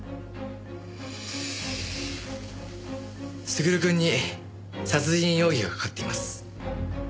優くんに殺人容疑がかかっています。